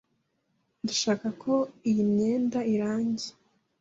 Ndashaka ko iyi myenda irangi.